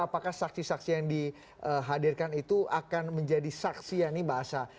apakah saksi saksi yang dihadirkan itu akan menjadi saksi ani bahasa